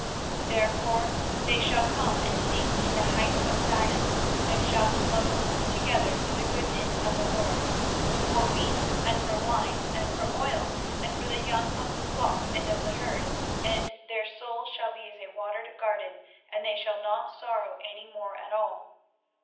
24:031:012 Therefore they shall come and sing in the height of Zion, and shall flow together to the goodness of the LORD, for wheat, and for wine, and for oil, and for the young of the flock and of the herd: and their soul shall be as a watered garden; and they shall not sorrow any more at all.